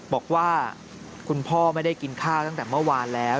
บอกว่าคุณพ่อไม่ได้กินข้าวตั้งแต่เมื่อวานแล้ว